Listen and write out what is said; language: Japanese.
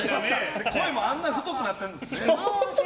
声も太くなってるんですね。